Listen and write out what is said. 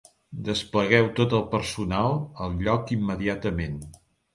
Desplegueu tot el personal al lloc immediatament.